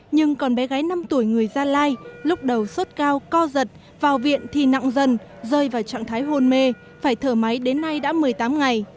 nhưng còn bé gái năm tuổi người gia lai lúc đầu sốt cao co giật vào viện thì nặng dần rơi vào trạng thái hôn mê phải thở máy đến nay đã một mươi tám ngày